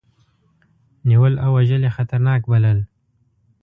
نیول او وژل یې خطرناک بلل.